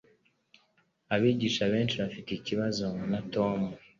Abigisha benshi bafite ikibazo na Tom